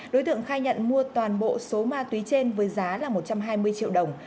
đối tượng khai nhận mua toàn bộ số ma túy trên với giá là một trăm hai mươi triệu đồng